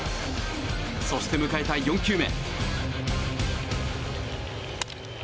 そして迎えた４球目。